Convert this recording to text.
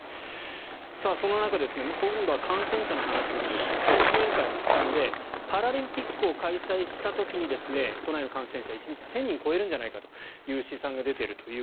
そんな中で今度は感染者の話ですが組織委員会の試算でパラリンピックを開催した時に都内の感染者１日１０００人を超えるという試算が出ているという。